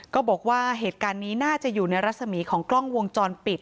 ก็บอกว่าเหตุการณ์นี้น่าจะอยู่ในรัศมีของกล้องวงจรปิด